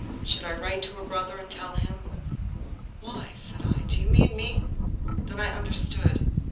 Should I write to her brother and tell him?" "Why," said I, "do you mean me?" Then I understood.